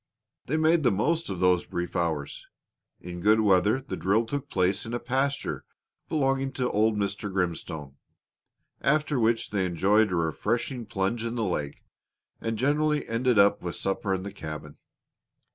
They made the most of those brief hours. In good weather the drill took place in a pasture belonging to old Mr. Grimstone, after which they enjoyed a refreshing plunge in the lake, and generally ended up with supper in the cabin.